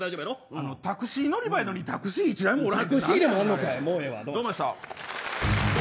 タクシー乗り場なのにタクシー１台もおらん。